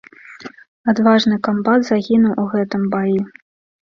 Адважны камбат загінуў у гэтым баі.